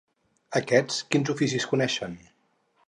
Aquests, quins oficis coneixen?